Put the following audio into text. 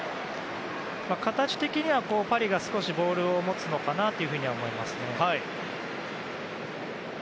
形的には、パリがボールを少し持つのかなと思いますね。